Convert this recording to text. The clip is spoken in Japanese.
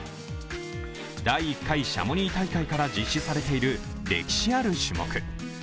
第１回シャモニー大会から実施されている歴史ある種目。